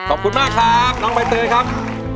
ขอบคุณมากค่ะน้องใบเตอร์ด้วยครับ